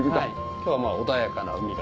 今日は穏やかな海が。